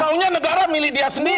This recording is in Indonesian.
maunya negara milih dia sendiri